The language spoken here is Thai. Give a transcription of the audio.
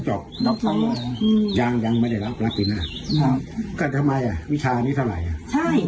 ใช่